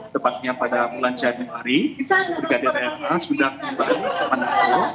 tepatnya pada bulan januari brigadir rna sudah kembali ke manado